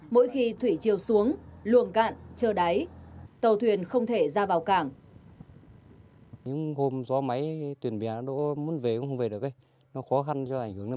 mỗi khi thủy chiều xuống luồng cạn trơ đáy tàu thuyền không thể ra vào cảng